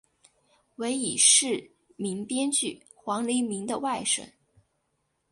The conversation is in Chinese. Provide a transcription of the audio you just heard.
为已逝名编剧黄黎明的外甥。